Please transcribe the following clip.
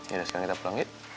yaudah sekarang kita pulang yuk